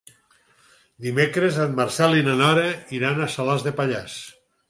Dimecres en Marcel i na Nora iran a Salàs de Pallars.